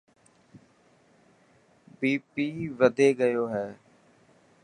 بي پي وڌي گيو هي.